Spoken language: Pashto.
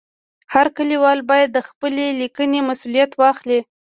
هر لیکوال باید د خپلې لیکنې مسؤلیت واخلي.